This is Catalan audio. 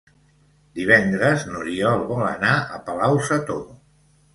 Divendres n'Oriol vol anar a Palau-sator.